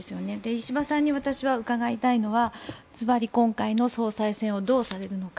石破さんに私が伺いたいのはずばり、今回の総裁選をどうされるのか。